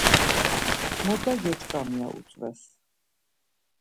Moda gyoç̌ǩam ya utzves.